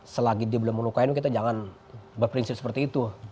selagi dia belum melukain kita jangan berprinsip seperti itu